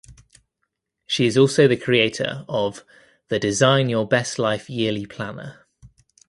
She is also the creator of The Design Your Best Life Yearly Planner.